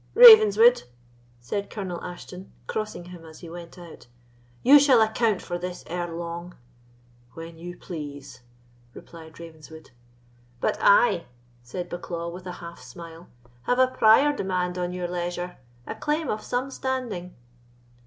"Ravenswood," said Colonel Ashton, crossing him as he went out, "you shall account for this ere long." "When you please," replied Ravenswood. "But I," said Bucklaw, with a half smile, "have a prior demand on your leisure, a claim of some standing."